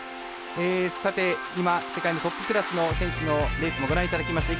今、世界のトップクラスの選手のレースもご覧いただきました。